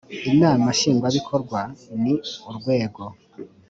inama nshingwabikorwa ni urwego